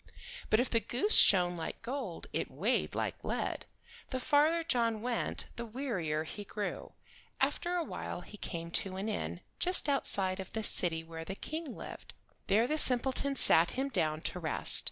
But if the goose shone like gold it weighed like lead. The farther John went the wearier he grew. After awhile he came to an inn, just outside of the city where the King lived. There the simpleton sat him down to rest.